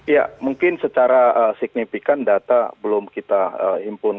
ya mungkin secara signifikan data belum kita impun